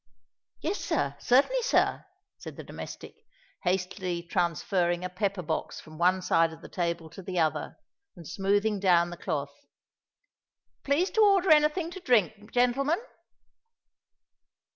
"Yes, sir—certainly, sir," said the domestic, hastily transferring a pepper box from one side of the table to the other, and smoothing down the cloth: "please to order any thing to drink, gentlemen?"